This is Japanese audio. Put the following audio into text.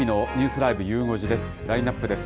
ラインナップです。